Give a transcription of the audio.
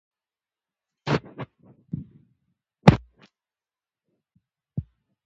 هغه هڅه وکړه چې د ایران باور ترلاسه کړي.